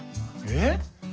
えっ？